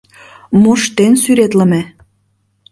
Моштен сӱретлыме.